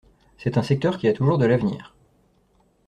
C’est un secteur qui a toujours de l’avenir.